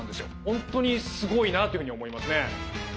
本当にすごいなというふうに思いますね。